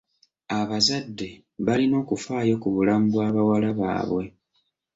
Abazadde balina okufaayo ku bulamu bwa bawala baabwe.